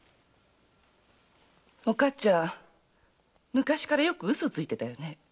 おかつちゃん昔からよくウソをついてたよね。